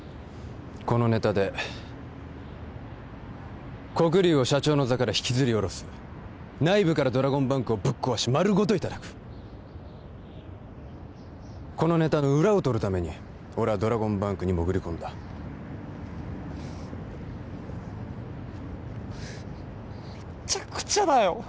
このネタで黒龍を社長の座から引きずり下ろす内部からドラゴンバンクをぶっ壊し丸ごといただくこのネタの裏を取るために俺はドラゴンバンクに潜り込んだメッチャクチャだよ